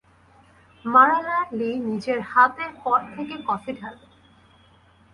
মারালা লি নিজের হাতে পট থেকে কফি ঢাললেন।